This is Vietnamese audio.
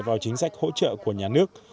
vào chính sách hỗ trợ của nhà nước